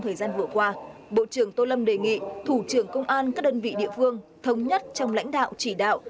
thời gian vừa qua bộ trưởng tô lâm đề nghị thủ trưởng công an các đơn vị địa phương thống nhất trong lãnh đạo chỉ đạo